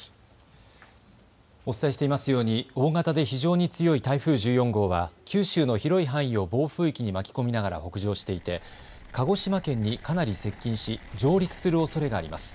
お伝えしていますように、大型で非常に強い台風１４号は、九州の広い範囲を暴風域に巻き込みながら北上していて、鹿児島県にかなり接近し、上陸するおそれがあります。